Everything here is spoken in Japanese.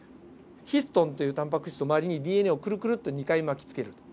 ヒストンというタンパク質の周りにＤＮＡをくるくるっと２回巻きつけると。